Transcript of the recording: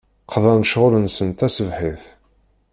Qḍan-d ccɣel-nsen taṣebḥit.